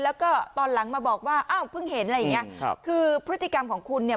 แล้วก็ตอนหลังมาบอกว่าอ้าวเพิ่งเห็นอะไรอย่างเงี้ยครับคือพฤติกรรมของคุณเนี่ย